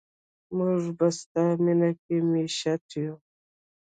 موږ په ستا مینه کې میشته یو.